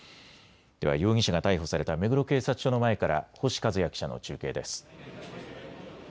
では容疑者が逮捕された目黒警察署の前から星和也記者の中継です。